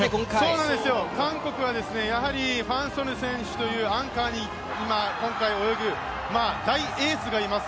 そうなんですよ、韓国はファン・ソヌ選手というアンカーに今回泳ぐ大エースがいます。